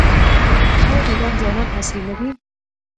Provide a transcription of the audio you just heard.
آیا د ایران ځوانان عصري نه دي؟